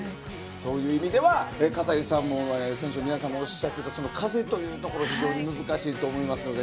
そういう意味では葛西さんも選手の皆さんもおっしゃっていた風が非常に難しいと思います。